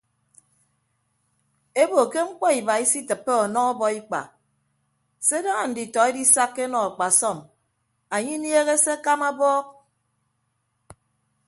Ebo ke mkpọ iba isitịppe ọnọ ọbọikpa se daña nditọ edisakka enọ akpasọm anye inieehe se akama abọọk.